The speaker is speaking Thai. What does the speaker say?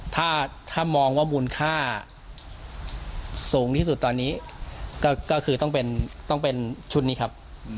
ถ้ามองว่ามูลค่าสูงที่สุดตอนนี้ก็คือต้องเป็นชุดนี้ครับ